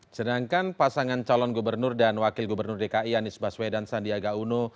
sedangkan pasangan calon gubernur dan wakil gubernur dki anies baswedan sandiaga uno